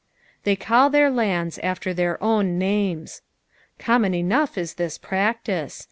" ITie}/ call their landt nfler their own nomci." Common enough is this practice.